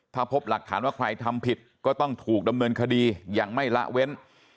ถ้าพบหลักฐานว่าใครทำผิดก็ต้องถูกดำเนินคดีอย่างไม่ละเว้น